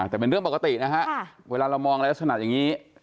แต่เป็นเรื่องปกตินะฮะเวลาเรามองอะไรลักษณะอย่างนี้